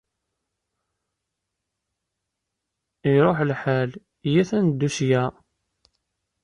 Iṛuḥ lḥal. Iyyat ad neddu seg-a!